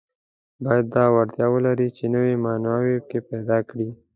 باید دا وړتیا ولري چې نوي معناوې پیدا کړي.